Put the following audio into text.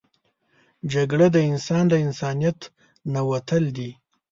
جګړه د انسان له انسانیت نه وتل دي